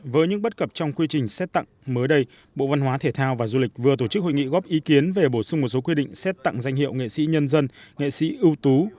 với những bất cập trong quy trình xét tặng mới đây bộ văn hóa thể thao và du lịch vừa tổ chức hội nghị góp ý kiến về bổ sung một số quy định xét tặng danh hiệu nghệ sĩ nhân dân nghệ sĩ ưu tú